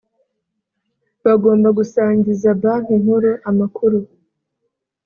bagomba gusangiza Banki Nkuru amakuru